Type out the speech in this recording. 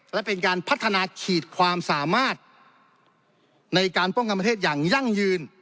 และเป็นการพัฒนาขีดความสามารถในการป้องกันประเทศอย่างยั่งยืน